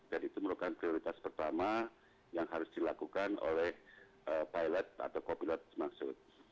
jadi itu merupakan prioritas pertama yang harus dilakukan oleh pilot atau kopilot semaksud